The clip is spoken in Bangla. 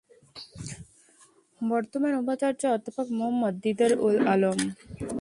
বর্তমান উপাচার্য অধ্যাপক মোহাম্মদ দিদার-উল-আলম।